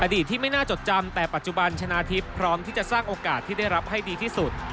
อดีตที่ไม่น่าจดจำแต่ปัจจุบันชนะทิพย์พร้อมที่จะสร้างโอกาสที่ได้รับให้ดีที่สุด